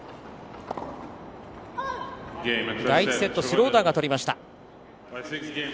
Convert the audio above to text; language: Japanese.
第１セット、シュローダーがとりました。